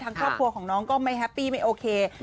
ทางครอบครัวของน้องไม่โอเค